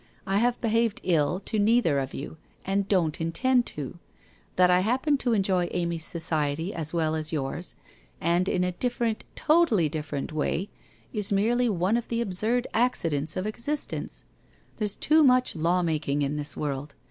I have behaved ill to neither of you and don't intend to. That I happen to enjoy Amy's society as well as yours, and in a different, totally different, way is merely one of the absurd accidents of existence. There's too much law making in this world.